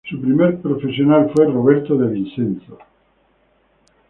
Su primer profesional fue Roberto De Vicenzo.